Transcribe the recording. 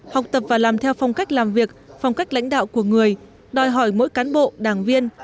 học tập và làm theo phong cách làm việc phong cách lãnh đạo của người đòi hỏi mỗi cán bộ đảng viên